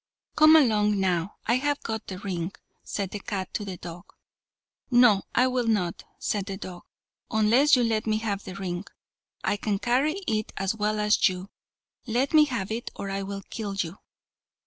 "Come along now; I have got the ring," said the cat to the dog. "No, I will not," said the dog, "unless you let me have the ring. I can carry it as well as you. Let me have it or I will kill you."